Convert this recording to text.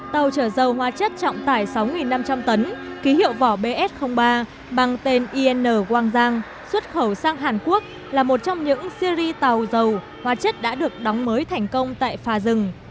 tàu chở dầu hóa chất trọng tải sáu năm trăm linh tấn ký hiệu vỏ bs ba bằng tên in quang giang xuất khẩu sang hàn quốc là một trong những series tàu dầu hóa chất đã được đóng mới thành công tại phà rừng